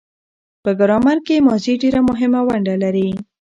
په ګرامر کښي ماضي ډېره مهمه ونډه لري.